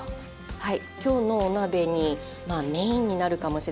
はい。